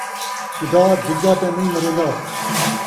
خدا دِڳا تاں نئیں مرین٘دا